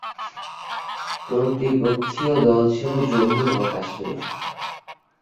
প্রতিপক্ষীয় দল ছিল জম্মু ও কাশ্মীর।